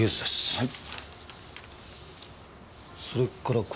はい。